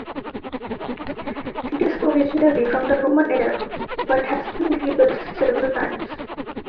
It is originally from the Roman era, but has been rebuilt several times.